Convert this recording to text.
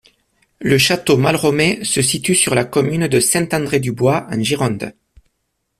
Le château Malromé se situe sur la commune de Saint-André-du-Bois, en Gironde.